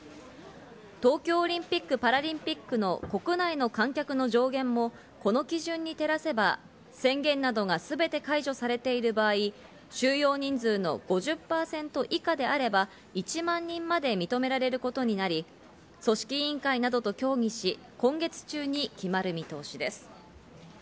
東京オリンピック・パラリンピックの国内の観客の上限もこの基準に照らせば宣言などがすべて解除されている場合、収容人数の５０％以下であれば、１万人まで認められることになり、組織委員会などと協議し、今月中に決まる見通しです。